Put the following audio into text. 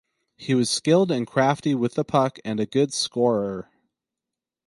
He was skilled and crafty with the puck and a good scorer.